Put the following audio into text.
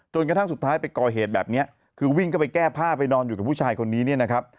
กระทั่งสุดท้ายไปก่อเหตุแบบนี้คือวิ่งเข้าไปแก้ผ้าไปนอนอยู่กับผู้ชายคนนี้เนี่ยนะครับ